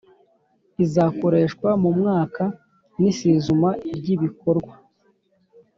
izakoreshwa mu mwaka n isizuma ry ibikorwa